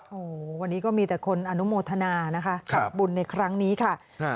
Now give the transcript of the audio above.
โอ้โหวันนี้ก็มีแต่คนอนุโมทนานะคะกับบุญในครั้งนี้ค่ะ